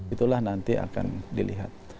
itulah nanti akan dilihat